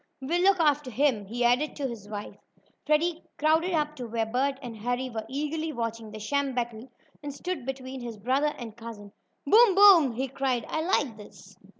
"We'll look after him," he added to his wife. Freddie crowded up to where Bert and Harry were eagerly watching the sham battle, and stood between his brother and cousin. "Boom! Boom!" he cried. "I like this!"